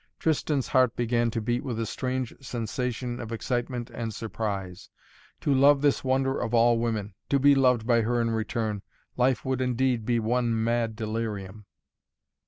Tristan's heart began to beat with a strange sensation of excitement and surprise. To love this wonder of all women to be loved by her in return life would indeed be one mad delirium.